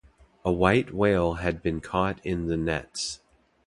A white whale had been caught in the nets.